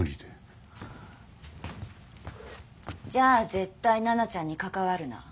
じゃあ絶対奈々ちゃんに関わるな。